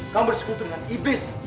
kamu bersekutu dengan iblis